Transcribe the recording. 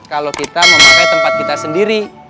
kalau kita mau pakai tempat kita sendiri